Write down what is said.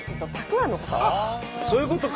あっそういうことか。